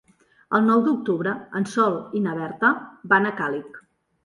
El nou d'octubre en Sol i na Berta van a Càlig.